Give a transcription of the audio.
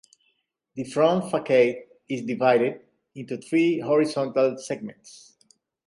The front facade is divided into three horizontal segments.